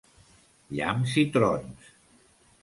Llamps i trons!